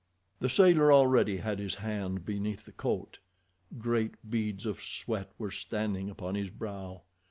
The sailor already had his hand beneath the coat. Great beads of sweat were standing upon his brow.